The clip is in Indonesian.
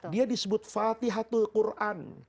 dia disebut fatihah tul quran